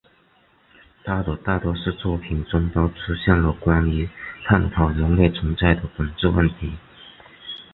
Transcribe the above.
他的大多数作品中都出现了关于探讨人类存在的本质问题。